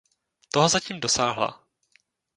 Toho zatím dosáhla.